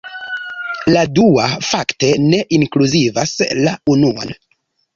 La dua, fakte, ne inkluzivas la unuan.